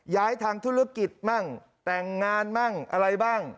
ทางธุรกิจมั่งแต่งงานมั่งอะไรบ้าง